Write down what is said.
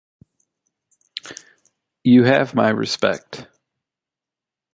You have my respect.